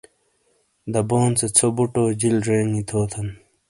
دبون سے ژھو بُٹو جِیل جینگی تھوتھن !